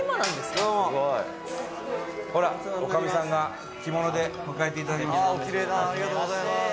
ほら、女将さんが着物で迎えていただきました。